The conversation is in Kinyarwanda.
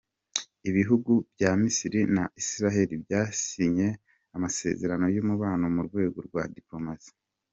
Ibihugu bya Misiri na Israel byasinye amasezerano y’umubano mu rwego rwa dipolomasi.